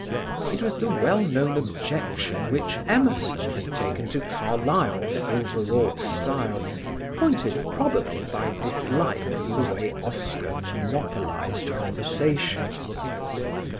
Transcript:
It was the well known objection which Emerson had taken to Carlyle's overwrought style, pointed probably by dislike of the way Oscar monopolised conversation.